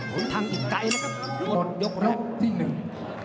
ผลทางอีกไกลนะครับหมดยกแรก